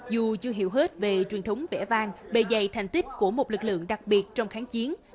dù chưa hiểu hết về truyền thống vẽ vang bề dày thành tích của một lực lượng đặc biệt trong kháng chiến